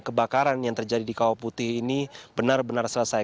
dan kebakaran yang terjadi di kawah putih ini benar benar selesai